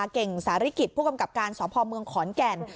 เก่งสาริกิจผู้กำกับการสพเมืองขอนแก่น